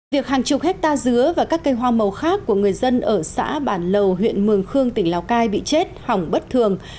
việc hàng chục hectare dứa và các cây hoa màu khác của người dân ở xã bản lầu huyện mường khương tỉnh lào cai bị chết hỏng bất thường